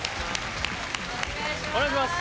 お願いします！